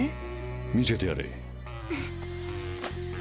見せてやれ。